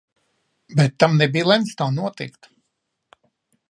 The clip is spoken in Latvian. Bet tam nebija lemts tā notikt.